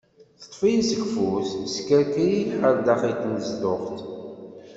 Teṭṭef-iyi-d seg ufus, teskerker-iyi ɣer daxel n tnezduɣt.